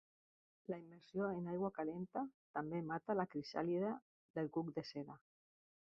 La immersió en aigua calenta també mata la crisàlide del cuc de seda.